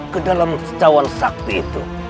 ke dalam cawan sakti itu